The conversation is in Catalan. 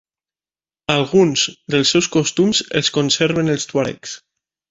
Alguns dels seus costums els conserven els tuaregs.